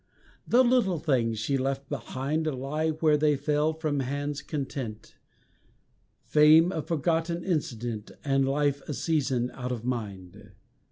The little things she left behind Lie where they fell from hands content Fame a forgotten incident And life a season out of mind.